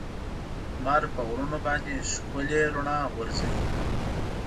لمر په غرونو باندې ښکلي رڼا غورځوي.